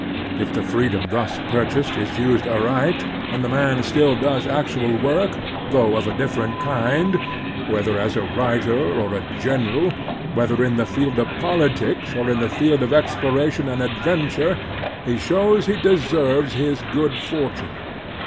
If the freedom thus purchased is used aright, and the man still does actual work, though of a different kind, whether as a writer or a general, whether in the field of politics or in the field of exploration and adventure, he shows he deserves his good forttme.